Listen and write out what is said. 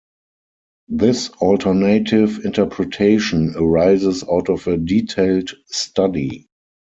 This alternative interpretation arises out of a detailed study.